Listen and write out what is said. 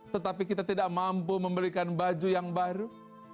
tetapi kita tidak mampu memberikan baju yang baru